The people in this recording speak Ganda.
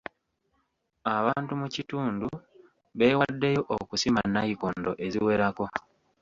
Abantu mu kitundu beewaddeyo okusima nayikondo eziwerako.